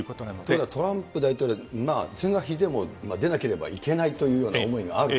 ただ、トランプ大統領、是が非でも出なければいけないというような思いがある。